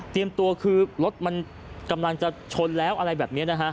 เตรียมตัวคือรถมันกำลังจะชนแล้วอะไรแบบนี้นะครับ